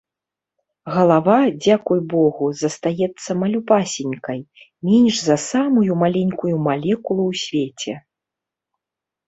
Галава — дзякуй Богу — застаецца малюпасенькай, меньш за самую маленькую малекулу ў свеце.